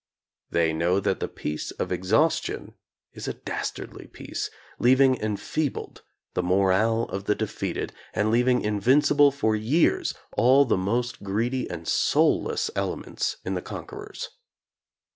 They know that the peace of exhaustion is a dastardly peace, leav ing enfeebled the morale of the defeated, and leav ing invincible for years all the most greedy and soulless elements in the conquerors.